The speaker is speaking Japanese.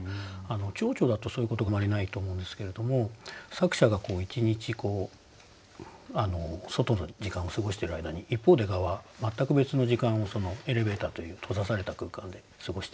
ちょうちょだとそういうことがあまりないと思うんですけれども作者が一日外の時間を過ごしてる間に一方で蛾は全く別の時間をエレベーターという閉ざされた空間で過ごしていたと。